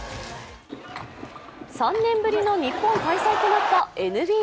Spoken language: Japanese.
３年ぶりの日本開催となったＮＢＡ。